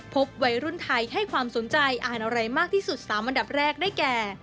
พบวัยรุ่นไทยให้ความสนใจอ่านอะไรมากที่สุด๓อันดับแรกได้แก่